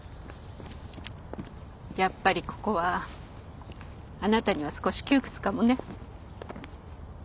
やっぱりここはあなたには少し窮屈かもね。